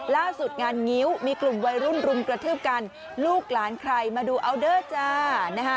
ล่าสุดงานงิ้วมีกลุ่มวัยรุ่นรุมกระทืบกันลูกหลานใครมาดูอัลเดอร์จ้านะฮะ